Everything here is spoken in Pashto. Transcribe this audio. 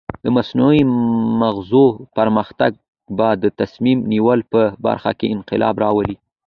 د مصنوعي مغزو پرمختګ به د تصمیم نیولو په برخه کې انقلاب راولي.